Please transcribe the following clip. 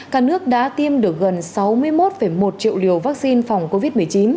cả nước đã tiêm được gần sáu mươi một một triệu liều vaccine phòng covid một mươi chín